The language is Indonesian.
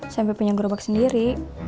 sampe punya gerobak sendiri